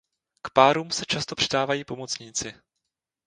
K párům se často přidávají pomocníci.